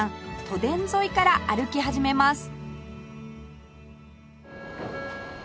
都電沿いから歩き始めます